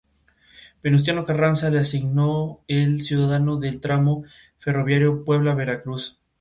Venustiano Carranza le asignó el cuidado del tramo ferroviario Puebla-Veracruz.